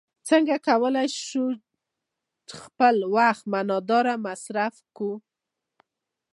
څنګه کولی شو خپل وخت معنا داره مصرف کړو.